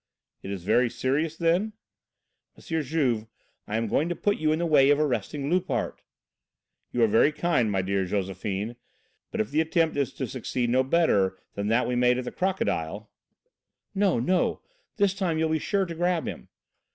"It is very serious then?" "M. Juve, I am going to put you in the way of arresting Loupart." "You are very kind, my dear Josephine, but if the attempt is to succeed no better than that we made at the 'Crocodile' " "No, no, this time you'll be sure to nab him.